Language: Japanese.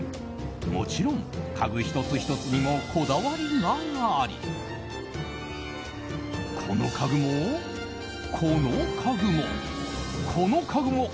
もちろん、家具１つ１つにもこだわりがありこの家具もこの家具も、この家具も。